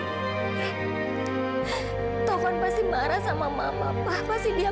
tovan pasti marah sama saya